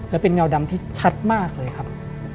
และเป็นเงาดำที่ชัดมากเลยครับ